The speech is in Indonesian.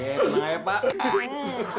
iya kenapa ya pak